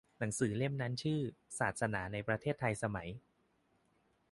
หนังสือเล่มนั้นชื่อ "ศาสนาในประเทศไทยสมัย"